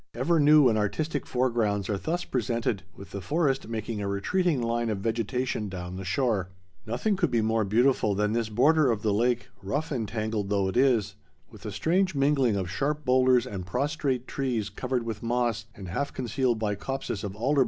Ever new and artistic foregrounds are thus presented, with the forest making a retreating line of vegetation down the shore. Nothing could be more beautiful than this border of the lake, rough and tangled though it is, with a strange mingling of sharp boulders and prostrate trees covered with moss and half concealed by copses of alder bushes and flowering shrubs.